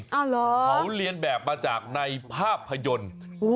เขาเรียนแบบมาจากในภาพยนตร์